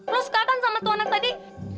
lo suka kan sama tua anak tadi